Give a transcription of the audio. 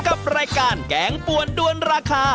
กับรายการแกงปวนด้วนราคา